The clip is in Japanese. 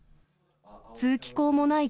通気口もない